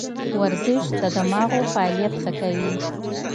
ورزش د دماغو فعالیت ښه کوي.